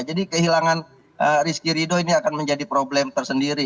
jadi kehilangan rizky ridho ini akan menjadi problem tersendiri